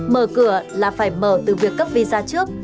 mở cửa là phải mở từ việc cấp visa trước